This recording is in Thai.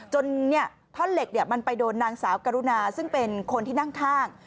ท่อนเหล็กมันไปโดนนางสาวกรุณาซึ่งเป็นคนที่นั่งข้าง